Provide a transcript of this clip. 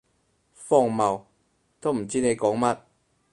荒謬，都唔知你講乜